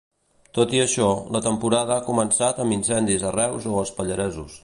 Tot i això, la temporada ha començat amb incendis a Reus o els Pallaresos.